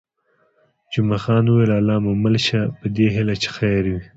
جمعه خان وویل: الله مو مل شه، په دې هیله چې خیر وي.